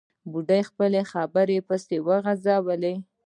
بوډا خپله خبره پسې وغځوله.